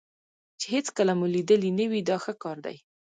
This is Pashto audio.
چې هېڅکله مو لیدلی نه وي دا ښه کار دی.